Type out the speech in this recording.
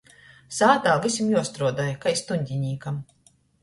Sātā vysim juostruodoj kai stuņdinīkam.